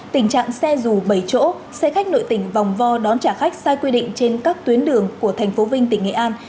tình trạng xe rù bảy chỗ xe khách nội tỉnh vòng vo đón trả khách sai quy định trên các tuyến đường của tp vinh tỉnh nghệ an